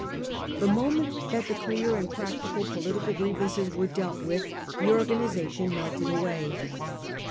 The moment that the clear and practical political grievances were dealt with the organisation melted away.